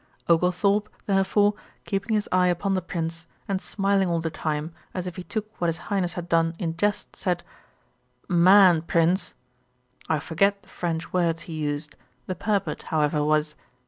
Oglethorpe, therefore, keeping his eye upon the Prince, and smiling all the time, as if he took what his Highness had done in jest, said 'Man Prince, '(I forget the French words he used, the purport however was.)